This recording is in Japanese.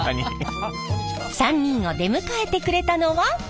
３人を出迎えてくれたのは。